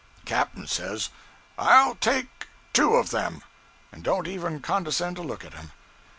'Captain says '"'ll take two of them" and don't even condescend to look at him.